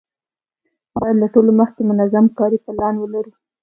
باید له ټولو مخکې منظم کاري پلان ولرو.